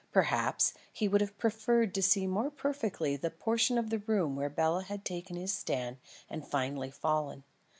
Perhaps, he would have preferred to see more perfectly that portion of the room where Bela had taken his stand and finally fallen.